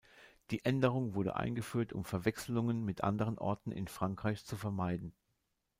Die Änderung wurde eingeführt, um Verwechslungen mit anderen Orten in Frankreich zu vermeiden.